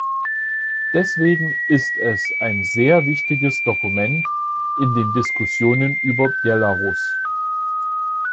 Deswegen ist es ein sehr wichtiges Dokument in den Diskussionen über Belarus.